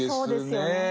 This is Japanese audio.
そうですよね。